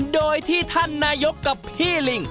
โดยที่ท่านนายกกับพี่ลิง